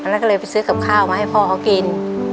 แล้วก็เลยไปซื้อกับข้าวมาให้พ่อเขากิน